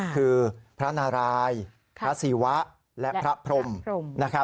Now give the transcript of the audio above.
คือพระนารายพระศิวะและพระพรม